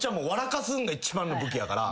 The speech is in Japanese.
かすんが一番の武器やから。